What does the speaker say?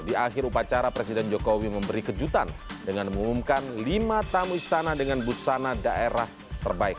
di akhir upacara presiden jokowi memberi kejutan dengan mengumumkan lima tamu istana dengan busana daerah terbaik